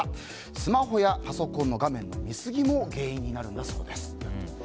スマホやパソコンの画面の見すぎも原因になるんだそうです。